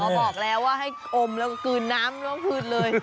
ต้องบอกแล้วว่าให้อมแล้วก็คืนน้ำปลืืดเลย